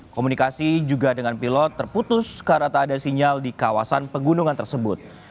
komunikasi juga dengan pilot terputus karena tak ada sinyal di kawasan pegunungan tersebut